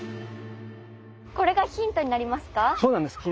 これがヒントになりますか？